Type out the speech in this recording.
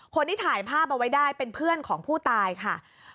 คนที่ถ่ายภาพเอาไว้ได้เป็นเพื่อนของผู้ตายค่ะ